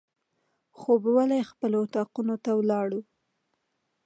خوبولي خپلو اطاقونو ته ولاړو.